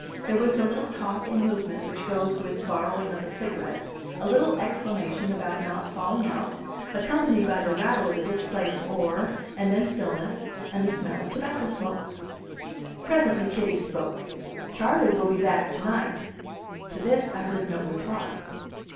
There was the little talk and movement which goes with borrowing of a cigarette, a little exclamation about not falling out, accompanied by the rattle of a displaced oar, and then stillness, and the smell of tobacco smoke. Presently Kitty spoke. "Charley will be back to night." To this I heard no reply.